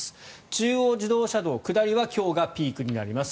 中央自動車道下りは今日がピークになります。